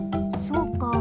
そうか。